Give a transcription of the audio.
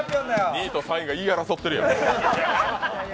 ２位と３位が言い争ってるよ。